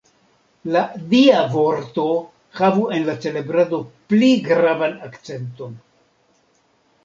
La Dia Vorto havu en la celebrado pli gravan akcenton.